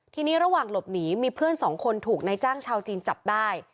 ทีนี้ระหว่างหลบหนีมีเพื่อนสองคนถูกนายจ้างชาวจีนจับได้